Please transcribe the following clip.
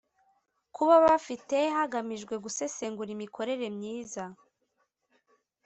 kuba bafite hagamijwe gusesengura imikorere myiza